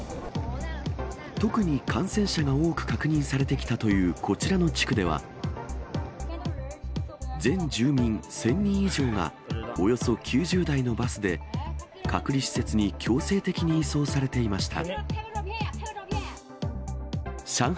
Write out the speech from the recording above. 特に感染者が多く確認されてきたというこちらの地区では、全住民１０００人以上が、およそ９０台のバスで、隔離施設に強制的に移送されていました。